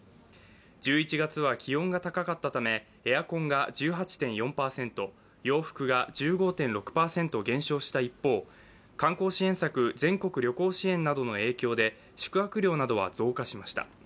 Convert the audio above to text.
１１月は気温が高かったためエアコンが１８．４％、洋服が１５．６％減少した一方、観光支援策、全国旅行支援などの影響で宿泊料などは増加しました。